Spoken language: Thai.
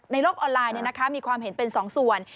โลกออนไลน์มีความเห็นเป็น๒ส่วน